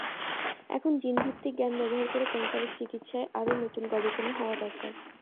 এখন জিনভিত্তিক জ্ঞান ব্যবহার করে ক্যানসারের চিকিৎসায় আরও নতুন গবেষণা হওয়া দরকার।